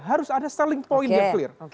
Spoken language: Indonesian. harus ada selling point yang clear